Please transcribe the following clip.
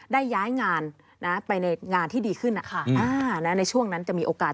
ได้ย้ายงานไปในงานที่ดีขึ้นนะคะในช่วงนั้นจะมีโอกาส